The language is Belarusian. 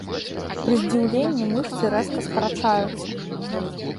Пры здзіўленні мышцы рэзка скарачаюцца.